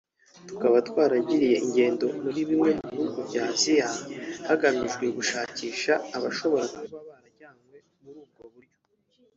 tukaba twaragiriye ingendo muri bimwe mu bihugu bya Aziya hagamijwe gushakisha abashobora kuba barajyanywe muri ubwo buryo